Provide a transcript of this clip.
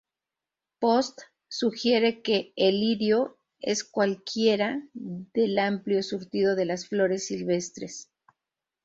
Post sugiere que "el lirio" es cualquiera del amplio surtido de las flores silvestres.